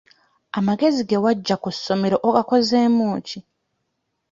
Amagezi ge waggya ku ssomero ogakozeemu ki?